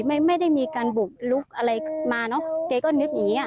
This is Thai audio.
ไม่ได้ไม่ได้มีการบุกลุกอะไรมาเนอะแกก็นึกอย่างงี้อ่ะ